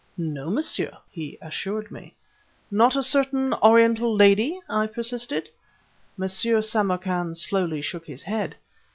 "No, monsieur," he assured me. "Not a certain Oriental lady?" I persisted. M. Samarkan slowly shook his head.